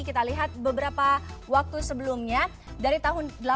kita lihat beberapa waktu sebelumnya dari tahun seribu delapan ratus delapan puluh